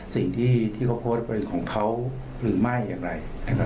สิ่งที่เขาโพสต์เป็นของเขาหรือไม่อย่างไร